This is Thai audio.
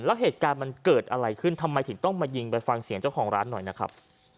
แล้วเหตุการณ์มันเกิดอะไรขึ้นทำไมถึงต้องมายิงไปฟังเสียงเจ้าของร้านหน่อยนะครับ